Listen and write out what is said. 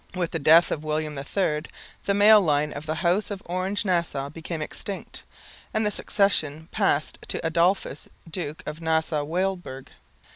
With the death of William III the male line of the House of Orange Nassau became extinct; and the succession passed to Adolphus, Duke of Nassau Weilburg.